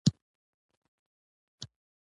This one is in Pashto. هغه په خیالونو کې ډوب شو او له ځان سره یې وویل.